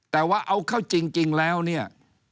แต่ว่าเอาเข้าจริงแล้วเนี่ย